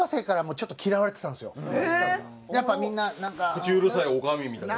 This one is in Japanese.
口うるさい女将みたいな？